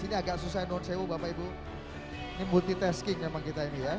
ini agak susah non sewu bapak ibu ini multitasking memang kita ini ya